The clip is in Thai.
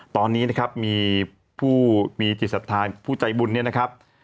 ตอนนี้นะครับมีผู้มีจิตศรัทธาผู้ใจบุญเนี่ยนะครับ